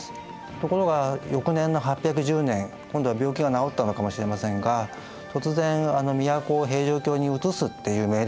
ところが翌年の８１０年今度は病気が治ったのかもしれませんが突然都を平城京にうつすっていう命令を出すことになるんですね。